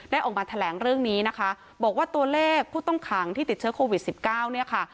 ออกมาแถลงเรื่องนี้นะคะบอกว่าตัวเลขผู้ต้องขังที่ติดเชื้อโควิดสิบเก้าเนี่ยค่ะ